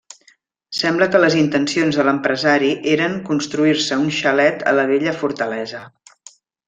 Sembla que les intencions de l'empresari eren construir-se un xalet a la vella fortalesa.